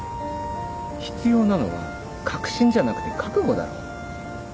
必要なのは確信じゃなくて覚悟だろ。